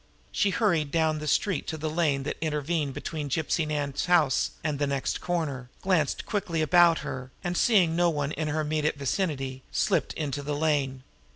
She hurried now down the street to the lane that intervened between Gypsy Nan's house and the next corner, glanced quickly about her, and, seeing no one in her immediate vicinity, slipped into the lane.